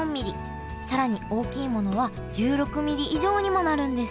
更に大きいものは１６ミリ以上にもなるんです